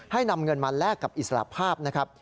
นำเงินมาแลกกับอิสระภาพนะครับ